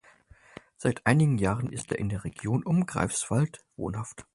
Seit einigen Jahren ist er in der Region um Greifswald wohnhaft.